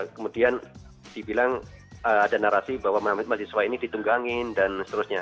kemudian dibilang ada narasi bahwa mahasiswa ini ditunggangin dan seterusnya